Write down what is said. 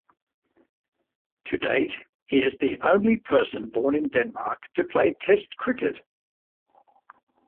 To date, he is the only person born in Denmark to play Test cricket.